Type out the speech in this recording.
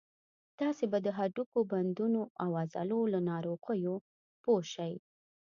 تاسې به د هډوکو، بندونو او عضلو له ناروغیو پوه شئ.